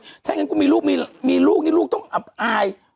ถ้างั้นกูมีลูกมีลูกนี่ลูกต้องอับอาย